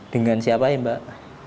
dengan siapa ya mbak